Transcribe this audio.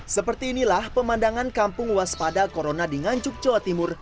seperti inilah pemandangan kampung waspada corona di nganjuk jawa timur